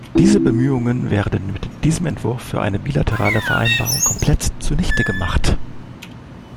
Diese Bemühungen werden mit diesem Entwurf für eine bilaterale Vereinbarung komplett zunichte gemacht.